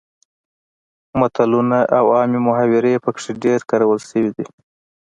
متلونه او عامې محاورې پکې ډیر کارول شوي دي